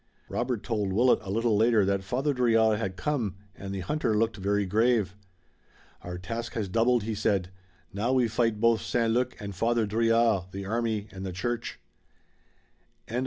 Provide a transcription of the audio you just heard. Robert told Willet a little later that Father Drouillard had come, and the hunter looked very grave. "Our task has doubled," he said. "Now we fight both St. Luc and Father Drouillard, the army and the church."